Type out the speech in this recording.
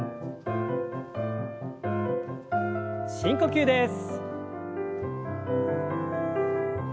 深呼吸です。